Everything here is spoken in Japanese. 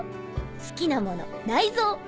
好きなもの内臓。